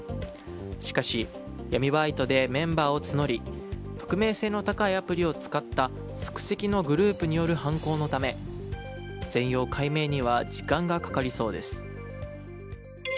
しかし闇バイトでメンバーを募り匿名性の高いアプリを使った即席のグループによる犯行のため全容解明には時間がかかりそうです。